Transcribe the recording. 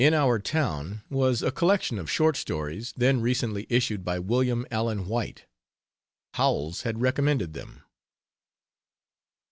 'In Our Town' was a collection of short stories then recently issued by William Allen White. Howells had recommended them.